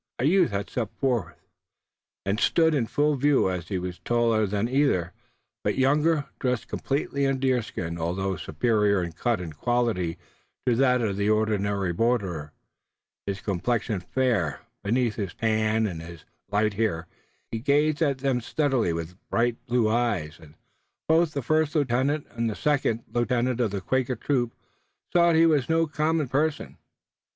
A youth had stepped forth, and stood in full view. He was taller than either, but younger, dressed completely in deerskin, although superior in cut and quality to that of the ordinary borderer, his complexion fair beneath his tan, and his hair light. He gazed at them steadily with bright blue eyes, and both the first lieutenant and the second lieutenant of the Quaker troop saw that he was no common person.